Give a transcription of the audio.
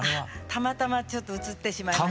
たまたまちょっと写ってしまいまして。